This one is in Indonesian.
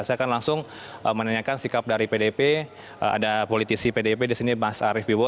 saya akan langsung menanyakan sikap dari pdp ada politisi pdip di sini mas arief bibowo